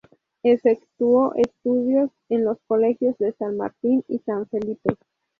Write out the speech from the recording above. Efectuó estudios en los colegios de San Martín y San Felipe.